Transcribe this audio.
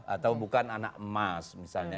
atau bukan anak emas misalnya